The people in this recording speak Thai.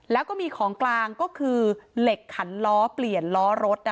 แล้วก็มีของกลางก็คือเหล็กขันล้อเปลี่ยนล้อรถ